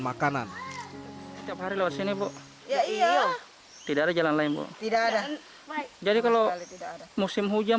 makanan startup menyuar sini bu jadinya tidak jalan lain buat tidak ada jadi kalau musim hujan